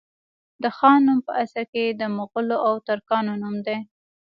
د خان نوم په اصل کي د مغولو او ترکانو نوم دی